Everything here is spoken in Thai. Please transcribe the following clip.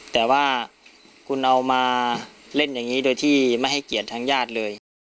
แต่ว่าคุณเอามาเล่นอย่างนี้โดยที่ไม่ให้เกียรติทางญาติเลย